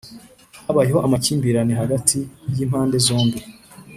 habayeho amakimbirane hagati y impande zombi